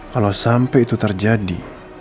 kalau sampai itu terjadi